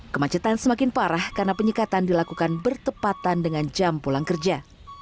kemacetan semakin parah karena penyekatan dilakukan bertepatan dengan jam pulang kerja